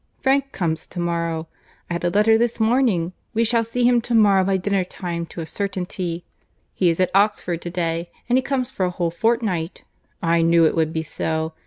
Frank comes to morrow—I had a letter this morning—we see him to morrow by dinner time to a certainty—he is at Oxford to day, and he comes for a whole fortnight; I knew it would be so.